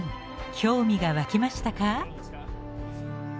興味が湧きましたか？